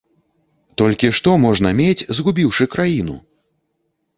Толькі што можна мець, згубіўшы краіну?!